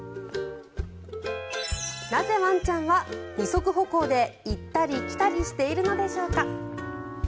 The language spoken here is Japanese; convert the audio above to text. なぜ、ワンちゃんは二足歩行で行ったり来たりしているのでしょうか。